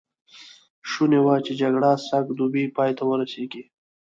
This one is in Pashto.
شوني وه چې جګړه سږ دوبی پای ته ورسېږي.